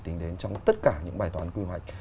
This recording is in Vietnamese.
tính đến trong tất cả những bài toán quy hoạch